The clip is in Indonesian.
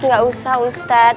nggak usah ustaz